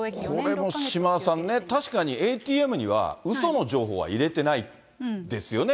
これも島田さんね、確かにＡＴＭにはうその情報は入れてないですよね。